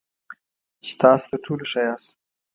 چې تاسو تر ټولو ښه یاست .